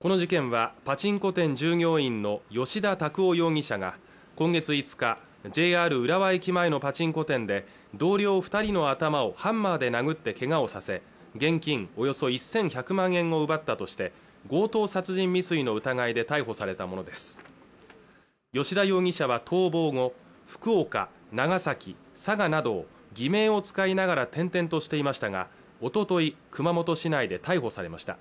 この事件はパチンコ店従業員の葭田拓央容疑者が今月５日ＪＲ浦和駅前のパチンコ店で同僚二人の頭をハンマーで殴ってけがをさせ現金およそ１１００万円を奪ったとして強盗殺人未遂の疑いで逮捕されたものです吉田容疑者は逃亡後福岡、長崎、佐賀など偽名を使いながら転々としていましたがおととい熊本市内で逮捕されました